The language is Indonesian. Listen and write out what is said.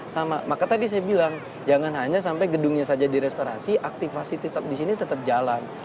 sama maka tadi saya bilang jangan hanya sampai gedungnya saja direstorasi aktifasi di sini tetap jalan